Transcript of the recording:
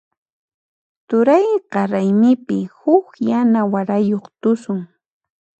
Turayqa raymipi huk yana warayuq tusun.